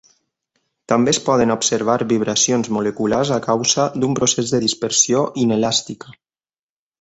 També es poden observar vibracions moleculars a causa d'un procés de dispersió inelàstica.